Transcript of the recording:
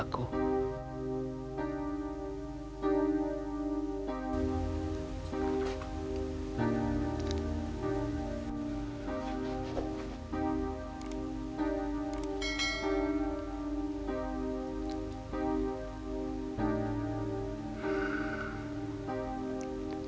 apakah ini semuanya kebetulan